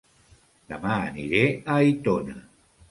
Dema aniré a Aitona